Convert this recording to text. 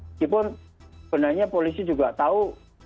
meskipun sebenarnya polisi juga tahu